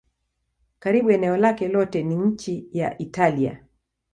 Karibu eneo lake lote ni nchi ya Italia.